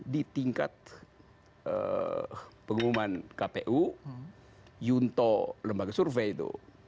di tingkat pengumuman kpu yunto lembaga survei itu